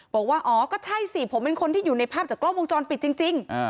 บอกว่าอ๋อก็ใช่สิผมเป็นคนที่อยู่ในภาพจากกล้องวงจรปิดจริง